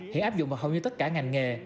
hiện áp dụng vào hầu như tất cả ngành nghề